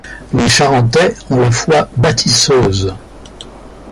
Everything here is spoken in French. Les Charentais ont la foi bâtisseuse.